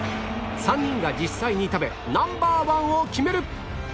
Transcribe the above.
３人が実際に食べ Ｎｏ．１ を決める